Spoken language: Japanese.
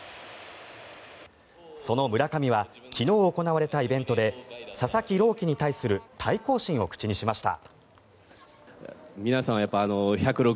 その村上は昨日、行われたイベントで佐々木朗希に対する対抗心を口にしました。